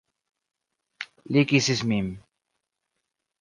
Li kisis min.